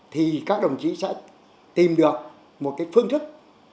thì các đồng chí sẽ tìm được một phương thức